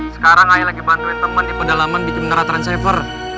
sekarang ayah lagi bantuin teman di pedalaman bikin menara transceiver